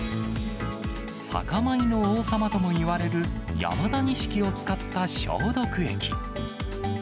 酒米の王様ともいわれる山田錦を使った消毒液。